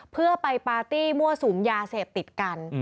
เพื่อไปปาร์ตี้มั่วสุมยาเสพติดกัน